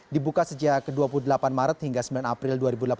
dibuka sejak dua puluh delapan maret hingga sembilan april dua ribu delapan belas